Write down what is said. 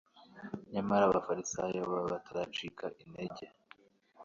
Nyamara abafarisayo bo bataracika intege,